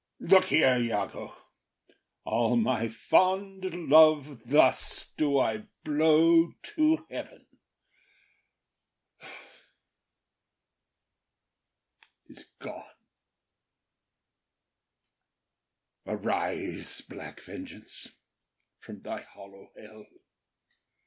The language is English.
Look here, Iago; All my fond love thus do I blow to heaven. ’Tis gone. Arise, black vengeance, from thy hollow hell!